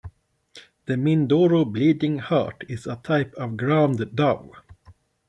The Mindoro bleeding-heart is a type of ground dove.